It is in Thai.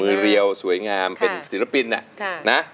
มือเรียวสวยงามเป็นศิลปิน